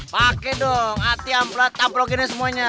pakai dong ati amplat ablok gini semuanya